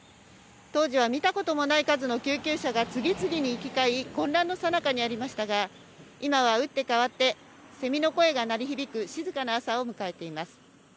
当時は見たこともない数の救急車が次々に行き交い、混乱のさなかにありましたが、今は打って変わって、セミの声が鳴り響く静かな朝を迎えています。